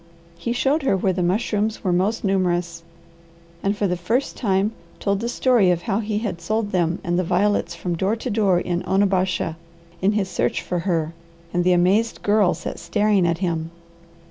He showed her where the mushrooms were most numerous, and for the first time told the story of how he had sold them and the violets from door to door in Onabasha in his search for her, and the amazed Girl sat staring at him.